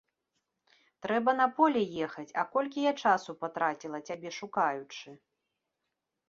Трэба на поле ехаць, а колькі я часу патраціла, цябе шукаючы.